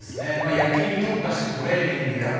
野球に特化したトレーニングであったりとかですね